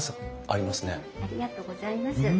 ありがとうございます。